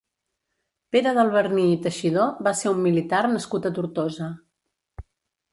Pere d'Alberní i Teixidor va ser un militar nascut a Tortosa.